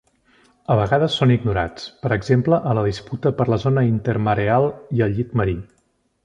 A vegades són ignorats, per exemple a la disputa per la zona intermareal i el llit marí.